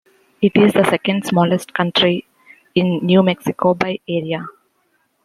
It is the second-smallest county in New Mexico by area.